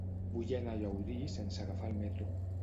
Vull anar a Llaurí sense agafar el metro.